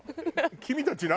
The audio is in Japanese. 「君たち何？」